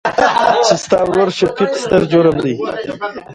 چې ستا ورورشفيق ستر جرم کړى.